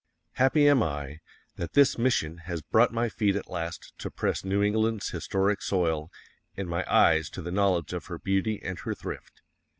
_HAPPY AM I THAT THIS MISSION HAS BROUGHT MY FEET AT LAST TO PRESS NEW ENGLAND'S HISTORIC SOIL and my eyes to the knowledge of her beauty and her thrift.